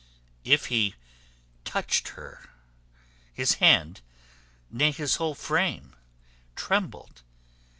If he touched her, his hand, nay his whole frame, trembled.